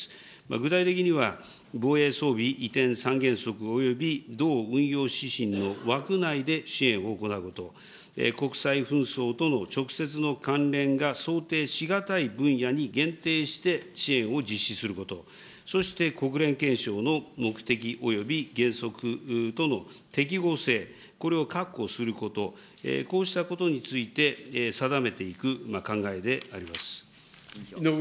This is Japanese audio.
具体的には、防衛装備移転三原則および同運用指針の枠内で支援を行うこと、国際紛争等の直接の関連が想定し難い分野に限定して支援を実施すること、そして国連憲章の目的および原則との適合性、これを確保すること、こうしたことについて、定めていく考えであります。